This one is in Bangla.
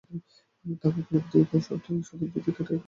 তারপর পরবর্তী শতাব্দীতে তা কেটে কাঠ করে নেন।